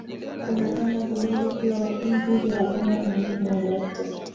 Kuna vyama vidogo pia lakini hivi havina umuhimu wowote